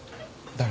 誰？